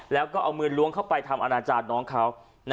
แล้วก็เอามือล้วงเข้าไปทำอนาจารย์น้องเขา